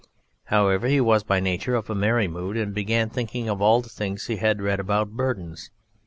However, he was by nature of a merry mood, and began thinking of all the things he had read about Burdens.